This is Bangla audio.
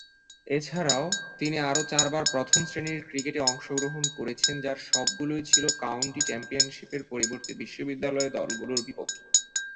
এছাড়াও, তিনি আরও চারবার প্রথম-শ্রেণীর ক্রিকেটে অংশগ্রহণ করেছেন যার সবগুলোই ছিল কাউন্টি চ্যাম্পিয়নশীপের পরিবর্তে বিশ্ববিদ্যালয়ের দলগুলো বিপক্ষে।